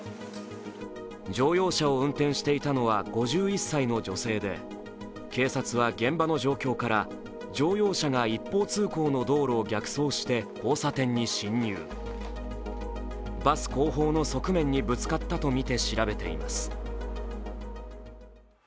乗用車を運転していたのは５１歳の女性で、警察は現場の状況から乗用車が一方通行の道路を逆走して交差点に進入、バス後方の側面にぶつかったとみて調べています。